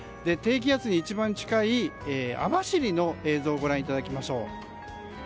低気圧に一番近い網走の映像をご覧いただきましょう。